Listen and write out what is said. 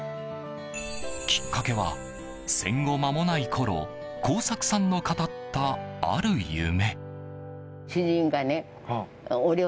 きっかけは、戦後間もないころ耕作さんの語ったある夢。